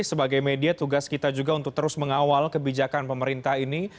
sebagai media tugas kita juga untuk terus mengawal kebijakan pemerintah ini